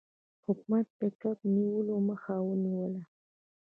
حکومت د کب نیولو مخه ونیوله.